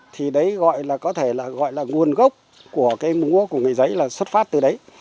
thì đấy có thể gọi là nguồn gốc của múa của người giấy là xuất phát từ đấy